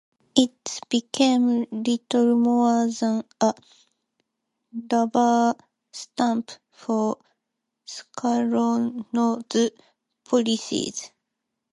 It became little more than a rubber stamp for Sukarno's policies.